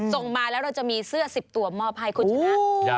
ส่งมาแล้วเราจะมีเสื้อ๑๐ตัวมอบให้คุณชนะ